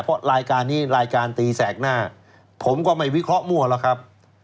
เพราะรายการนี้รายการตีแสกหน้าผมก็ไม่วิเคราะห์มั่วหรอกครับ